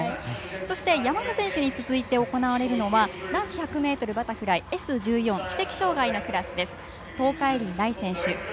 そして山田選手に続いて行われるのは男子１００ｍバタフライＳ１４、知的障がいのクラスです。